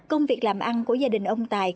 công việc làm ăn của gia đình ông tài